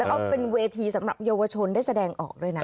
แล้วก็เป็นเวทีสำหรับเยาวชนได้แสดงออกด้วยนะ